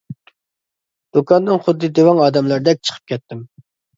دۇكاندىن خۇددى دېۋەڭ ئادەملەردەك چىقىپ كەتتىم.